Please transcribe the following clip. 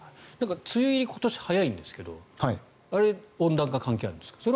梅雨入り、今年早いんですけど温暖化、関係あるんですか。